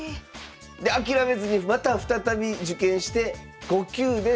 で諦めずにまた再び受験して５級で再入会。